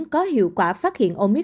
có hiệu quả phát hiện ổn định